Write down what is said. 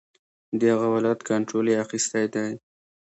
د هغه ولایت کنټرول یې اخیستی دی.